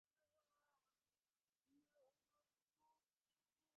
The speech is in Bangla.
তবে হয়তো সৈকতে বড়দের মধ্যে কিছু ছোট ছানাও লুকিয়ে থাকতে পারে।